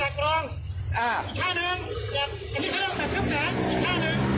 เป็นตระกรองอ่าอีกค่าหนึ่งอันนี้เขาตัดครับแสงอีกค่าหนึ่ง